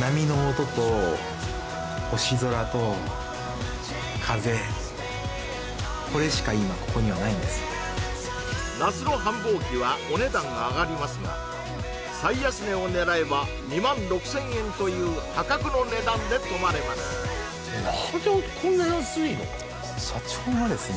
波の音と星空と風これしか今ここにはないんです夏の繁忙期はお値段が上がりますが最安値を狙えば２６０００円という破格の値段で泊まれます社長がですね